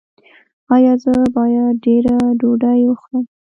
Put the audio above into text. ایا زه باید ډیره ډوډۍ وخورم؟